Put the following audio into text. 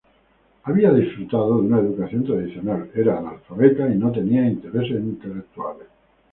Había disfrutado de una educación tradicional, era analfabeta y no tenía intereses intelectuales.